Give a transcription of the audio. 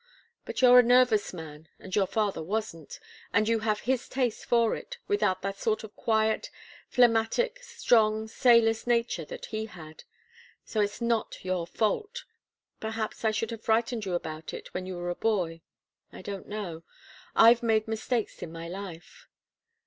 But you're a nervous man, and your father wasn't, and you have his taste for it without that sort of quiet, phlegmatic, strong, sailor's nature that he had. So it's not your fault. Perhaps I should have frightened you about it when you were a boy. I don't know. I've made mistakes in my life."